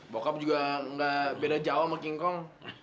bokap juga gak beda jawa sama king kong